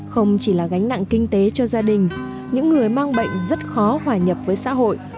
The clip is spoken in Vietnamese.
không chỉ là gánh nặng kinh tế cho gia đình những người mang bệnh rất khó hòa nhập với xã hội